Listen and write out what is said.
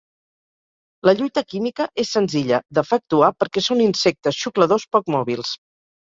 La lluita química és senzilla d'efectuar perquè són insectes xucladors poc mòbils.